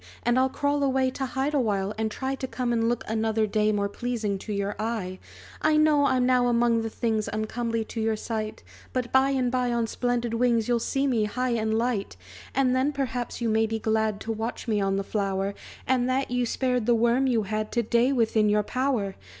and I'll crawl away To hide awhile, and try To come and look, another day, More pleasing to your eye. "I know I'm now among the things Uncomely to your sight; But by and by on splendid wings You'll see me high and light! "And then, perhaps, you may be glad To watch me on the flower; And that you spared the worm you had To day within your power!"